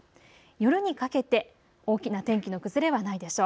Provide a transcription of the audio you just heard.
夜にかけて大きな天気の崩れはないでしょう。